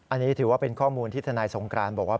อันนี้ถือว่าเป็นข้อมูลที่ทนายสงกรานบอกว่า